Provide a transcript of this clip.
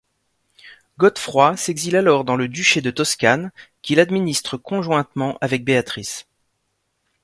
Godefroid s’exile alors dans le duché de Toscane, qu’il administre conjointement avec Béatrice.